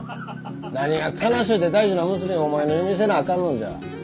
何が悲しゅうて大事な娘をお前の嫁にせなあかんのじゃ。